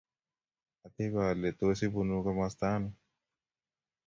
Atepe ale tos ipunu komastano